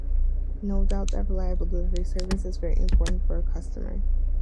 No doubt that reliable delivery service is very important for a customer.